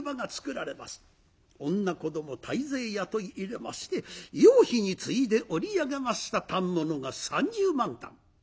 女子ども大勢雇い入れまして要否についで織り上げました反物が３０万反。